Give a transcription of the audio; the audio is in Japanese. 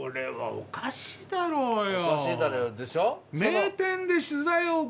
「おかしいだろうよ」でしょ。